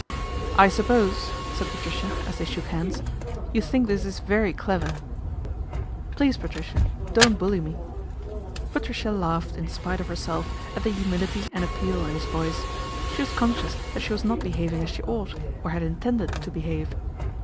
" I suppose," said Patricia as they shook hands, " you think this is very clever." " Please, Patricia, don't bully me." Patricia laughed in spite of herself at the humility and appeal in his voice. She was con scious that she was not behaving as she ought, or had intended to behave.